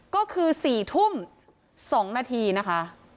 ก็คือ๔ทุ่ม๒นาทีนะคะ